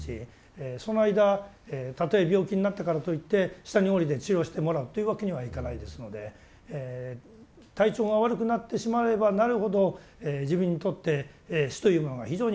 その間たとえ病気になったからといって下に下りて治療してもらうというわけにはいかないですので体調が悪くなってしまえばなるほど自分にとって死というものが非常に近くまた感じてくる。